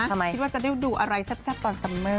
คิดว่าจะได้ดูอะไรแซ่บตอนซัมเมอร์